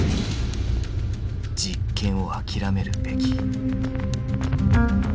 実験を諦めるべき。